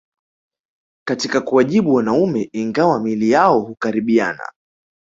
Katika kuwajibu wanaume ingawa miili yao hukaribiana